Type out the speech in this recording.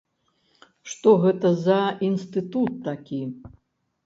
Што гэта за інстытут такі?